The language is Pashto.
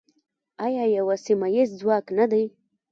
آیا یو سیمه ییز ځواک نه دی؟